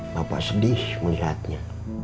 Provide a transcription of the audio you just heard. bapak sedih melihatnya